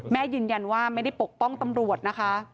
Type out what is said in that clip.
ยืนยันว่าไม่ได้ปกป้องตำรวจนะคะ